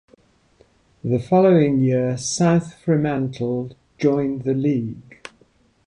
The following year South Fremantle joined the league.